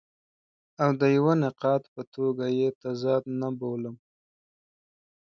او د یوه نقاد په توګه یې تضاد نه بولم.